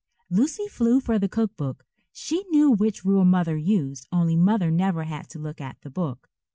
Lucy flew for the cook book. She knew which rule Mother used, only Mother never had to look at the book.